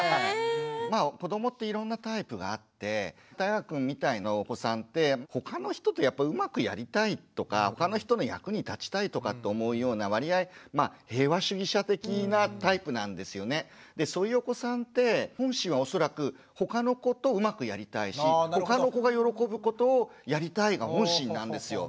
まあ子どもっていろんなタイプがあってたいがくんみたいなお子さんって他の人とうまくやりたいとか他の人の役に立ちたいとかって思うような割合そういうお子さんって本心は恐らく他の子とうまくやりたいし他の子が喜ぶことをやりたいが本心なんですよ。